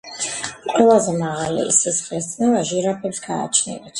ყველაზე მაღალი სისხლის წნევა ჟირაფებს გააჩნიათ